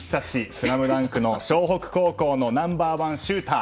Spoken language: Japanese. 「ＳＬＡＭＤＵＮＫ」の湘北高校のナンバー１シューター。